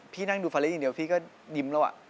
นั่งดูฟาเลสอย่างเดียวพี่ก็ยิ้มแล้ว